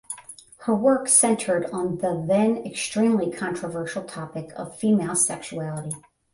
Her work centered on the then extremely controversial topic of female sexuality.